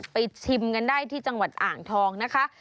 ชิมกันได้ที่จังหวัดอ่างทองนะคะ